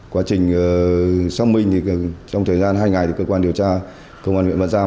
quá trình xác minh thì trong thời gian hai ngày thì cơ quan điều tra công an huyện bát giang